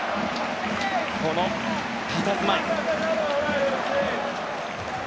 このたたずまい。